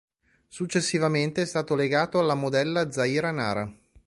Successivamente è stato legato alla modella Zaira Nara.